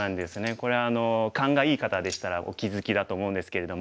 これ勘がいい方でしたらお気付きだと思うんですけれども。